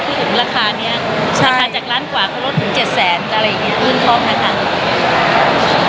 เพราะผมราคาเนี่ยราคาจากล้านกว่าเขารถถึง๗๐๐๐๐๐บาทอะไรอย่างนี้รุ่นซ่อมนะครับ